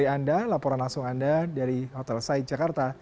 dari anda laporan langsung anda dari hotel said jakarta